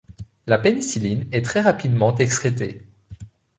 La pénicilline est très rapidement excrétée.